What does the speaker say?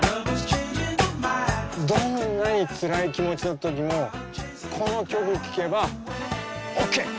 どんなにつらい気持ちの時もこの曲聴けばオッケー！